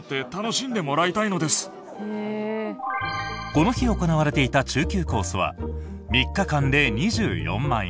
この日行われていた中級コースは３日間で２４万円。